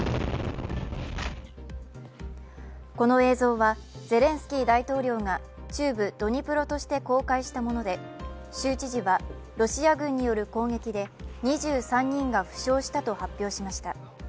この映像は、ゼレンスキー大統領が中部ドニプロとして公開したもので州知事はロシア軍による攻撃で２３人が負傷したと発表しました。